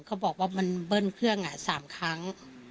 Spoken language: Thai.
เขาบอกว่ามันเบิ้ลเครื่อง๓ครั้ง